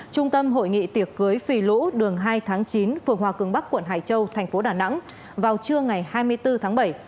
trung tâm hội nghị tiệc cưới phì lũ đường hai tháng chín phường hòa cường bắc quận hải châu thành phố đà nẵng vào trưa ngày hai mươi bốn tháng bảy